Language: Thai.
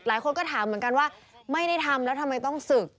หลายคนก็ถามเหมือนกันว่าไม่ได้ทำแล้วทำไมต้องศึก